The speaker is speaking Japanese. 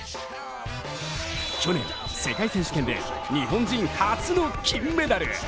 去年、世界選手権で日本人初の金メダル。